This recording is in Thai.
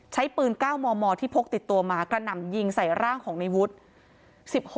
ใช้ปืน๙มมที่พกติดตัวมากระหน่ำยิงใส่ร่างของในวุฒิ